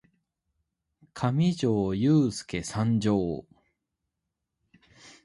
かみじょーゆーすーけ参上！